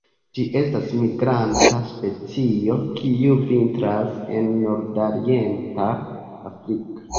Ĝi estas migranta specio, kiu vintras en nordorienta Afriko.